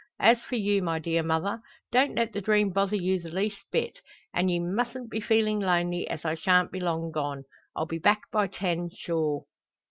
As for you, my dear mother, don't let the dream bother you the least bit. An' ye mustn't be feeling lonely, as I shan't be long gone. I'll be back by ten sure."